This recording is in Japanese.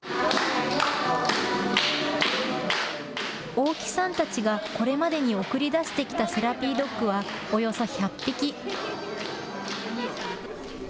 大木さんたちが、これまでに送り出してきたセラピードッグはおよそ１００匹。